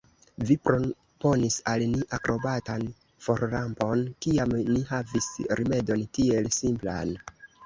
Vi proponis al ni akrobatan forrampon, kiam ni havis rimedon tiel simplan!